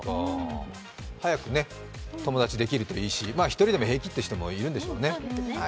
早く友達ができるといいし、１人でも平気という人もいるんでしょうね。